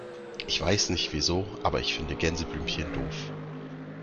Ich weiß nicht wieso, aber ich finde Gänseblümchen doof.